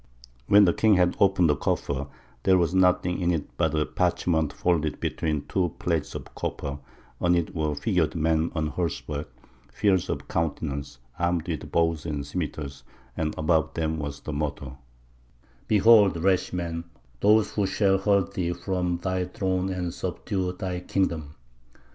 When the king had opened the coffer, there was nothing in it but a parchment folded between two plates of copper; on it were figured men on horseback, fierce of countenance, armed with bows and scimitars, and above them was the motto, "Behold, rash man, those who shall hurl thee from thy throne and subdue thy kingdom."